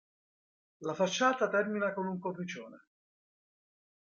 La facciata termina con un cornicione.